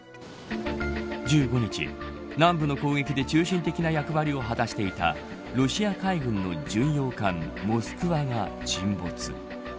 １５日、南部の攻撃で中心的な役割を果たしていたロシア海軍の巡洋艦モスクワが沈没。